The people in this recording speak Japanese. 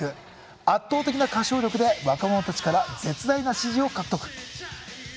圧倒的な歌唱力で若者たちから絶大な支持を獲得。